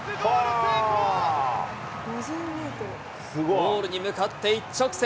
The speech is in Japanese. ゴールに向かって一直線。